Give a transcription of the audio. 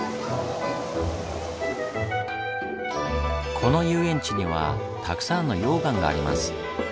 この遊園地にはたくさんの溶岩があります。